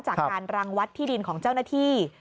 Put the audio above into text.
การรังวัดที่ดินของเจ้าหน้าที่